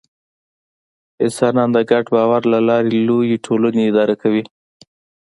انسانان د ګډ باور له لارې لویې ټولنې اداره کوي.